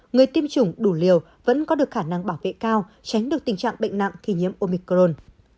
người tiêm chủng đủ liều vẫn có được khả năng bảo vệ cao tránh được tình trạng bệnh nặng khi nhiễm omicron